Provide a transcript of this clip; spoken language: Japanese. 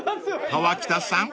［河北さん